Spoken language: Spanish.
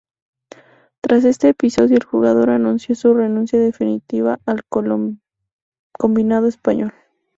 Tras este episodio el jugador anunció su renuncia definitiva al combinado español.